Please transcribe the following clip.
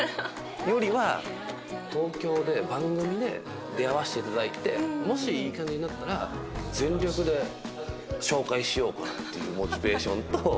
よりは東京で番組で出会わせていただいてもしいい感じになったら全力で紹介しようかなっていうモチベーションと。